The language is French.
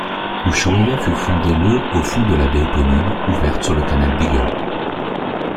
Ushuaïa fut fondée le au fond de la baie éponyme ouverte sur canal Beagle.